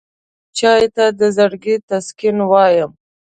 چای ته د زړګي تسکین وایم.